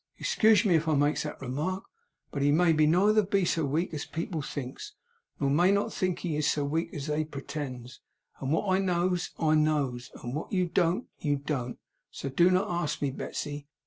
Excuge me if I makes remark, that he may neither be so weak as people thinks, nor people may not think he is so weak as they pretends, and what I knows, I knows; and what you don't, you don't; so do not ask me, Betsey.